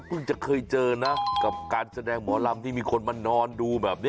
คุณจะเคยเจอนะกับการแสดงหมอลำที่มีคนมานอนดูแบบนี้